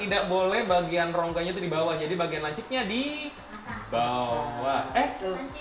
tidak boleh bagian rongganya itu di bawah jadi bagian lancipnya di bawah